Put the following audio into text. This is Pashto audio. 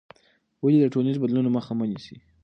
ولې د ټولنیزو بدلونونو مخه مه نیسې؟